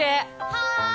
はい！